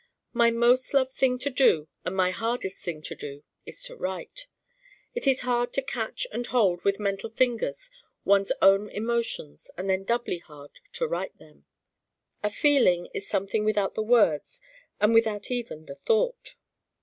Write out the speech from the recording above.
My most loved thing to do and my hardest thing to do is to write. It is hard to catch and hold with mental fingers one's own emotions and then doubly hard to write them. A feeling is something without the words and without even the thought.